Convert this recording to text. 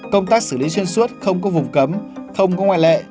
công tác xử lý xuyên suốt không có vùng cấm không có ngoại lệ